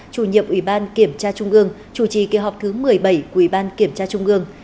chủ nhiệm ủy ban kiểm tra trung ương chủ trì kỳ họp thứ một mươi bảy của ủy ban kiểm tra trung ương